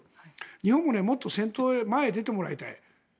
日本ももっと先頭へ前へ出てもらいたい。